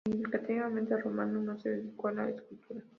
Significativamente, Romano no se dedicó a la escultura.